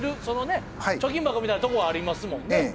そのね貯金箱みたいなとこありますもんね。